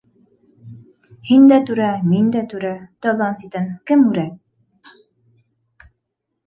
Һин дә түрә, мин дә түрә -Талдан ситән кем үрә?